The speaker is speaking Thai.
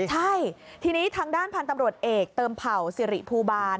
ใช่ทีนี้ทางด้านพันธุ์ตำรวจเอกเติมเผ่าสิริภูบาล